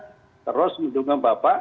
terus mendungi bapak